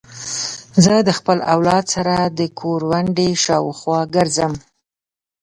زه د خپل اولاد سره د کوروندې شاوخوا ګرځم.